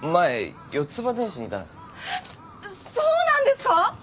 えっそうなんですか？